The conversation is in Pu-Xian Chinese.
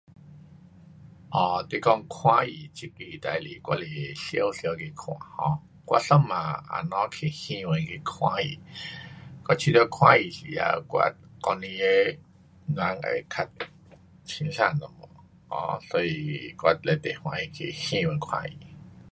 哦，你讲看戏这个事情，我是常常去看 um 我昨晚也才去戏院去看戏。我觉得看戏时头我一整个人会较轻松，um 所以我非常欢喜去戏院看戏。